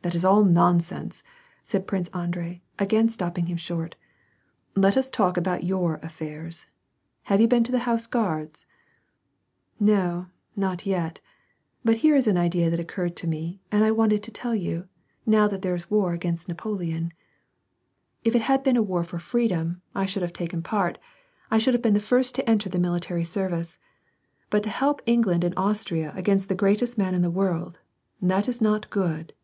" That is all nonsense," said Prince Andrei, again stopping him short, " Let us talk about your affairs. Have you been to the Horse Guards ?" "No, not yet, but here is an idea that occurred tome and I wanted to tell you ; now there is war gainst Napoleon. If it had been a war for freedom, I should have taken part, I should WAR AND PEACE. 27 hsLve been the first to enter the military service ; but to help England and Austria against the greatest man in the world, that is not good.'